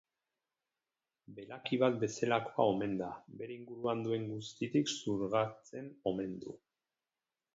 Belaki bat bezalakoa omen da, bere inguruan duen guztitik xurgatzen omen du.